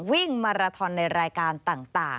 วิ่งมาราทอนในรายการต่าง